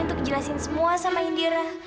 untuk jelasin semua sama indira